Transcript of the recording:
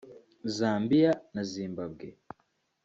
Zambia na Zimbabwe